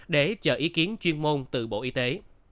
để chờ ý kiến chuyên môn từ bộ y tế